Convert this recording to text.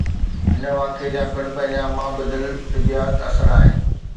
هن واقعي جا پڻ پنهنجا مابعدالطبعياتي اثر آهن.